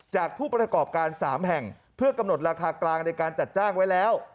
ผู้ประกอบการ๓แห่งเพื่อกำหนดราคากลางในการจัดจ้างไว้แล้ว